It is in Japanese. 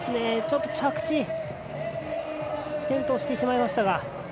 ちょっと着地転倒してしまいましたが。